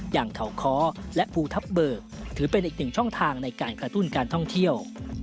อย่างเขาค้อและภูทับเบิกถือเป็นอีกหนึ่งช่องทางในการกระตุ้นการท่องเที่ยว